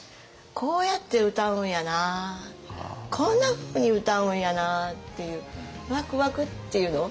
こうやって歌うんやなこんなふうに歌うんやなっていうわくわくっていうの？